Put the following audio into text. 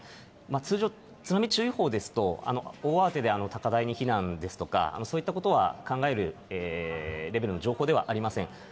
通常、津波注意報ですと、大慌てで高台に避難ですとか、そういったことは考えるレベルの情報ではありません。